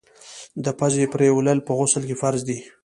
د پزي پرېولل په غسل کي فرض دي.